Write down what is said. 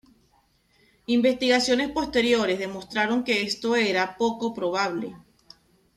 Investigaciones posteriores demostraron que esto era poco probable.